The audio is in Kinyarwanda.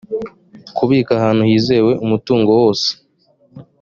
kubika ahantu hizewe umutungo wose